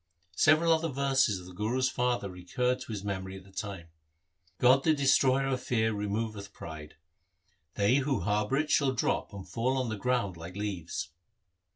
1 Several other verses of the Guru's father recurred to his memory at the time :— God the Destroyer of fear removeth pride. 2 They who harbour it shall drop and fall on the ground like leaves?